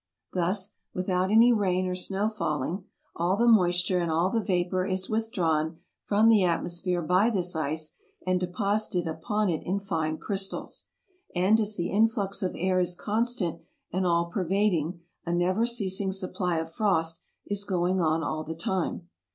Thus, without any rain or snow falling, all the moisture and all the vapor is withdrawn from the atmosphere by this ice and deposited upon it in fine crystals ; and as the influx of air is constant and all pervading, a never ceasing supply of frost is going on all the time.